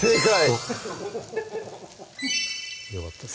おっよかったです